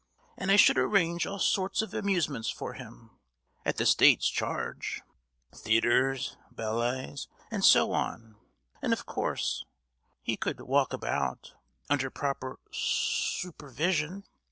And I should arrange all sorts of amusements for him, at the State's charge: theatres, balle's, and so on. And, of course, he should walk about, under proper su—pervision.